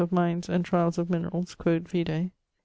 of mines and trialls of mineralls quod vide.